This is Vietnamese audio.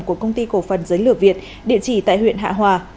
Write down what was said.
của công ty cổ phần giấy lửa việt địa chỉ tại huyện hạ hòa